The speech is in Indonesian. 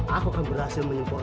aku sudah berhenti